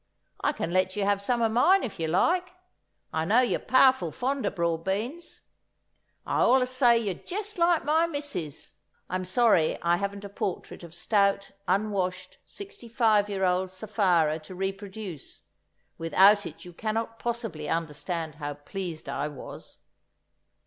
I can let you have some o' mine if you like. I know you're powerful fond o' broad beans. I allus say you're jest like my missus." (I'm sorry I haven't a portrait of stout, unwashed, sixty five year old Sapphira to reproduce; without it you cannot possibly understand how pleased I was!)